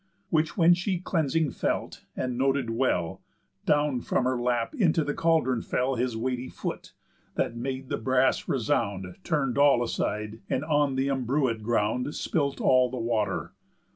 Which when she cleansing felt, and noted well, Down from her lap into the caldron fell His weighty foot, that made the brass resound, Turn'd all aside, and on th' embrewéd ground Spilt all the water.